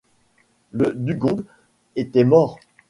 Le dugong était mort